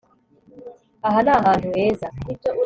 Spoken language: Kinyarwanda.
Aha ni ahantu heza